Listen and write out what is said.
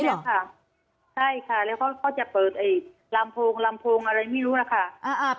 ใช่ค่ะแล้วเขาจะเปิดลำโพงอะไรไม่รู้นะคะ